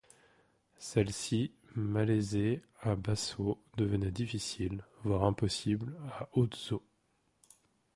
Celle-ci, malaisée à basses eaux, devenait difficiles, voire impossible à hautes eaux.